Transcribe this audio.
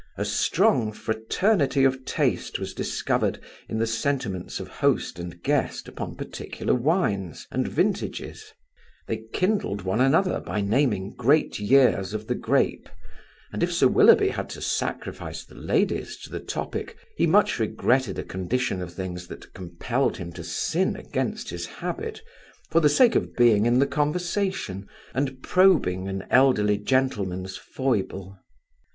A strong fraternity of taste was discovered in the sentiments of host and guest upon particular wines and vintages; they kindled one another by naming great years of the grape, and if Sir Willoughby had to sacrifice the ladies to the topic, he much regretted a condition of things that compelled him to sin against his habit, for the sake of being in the conversation and probing an elderly gentleman's foible.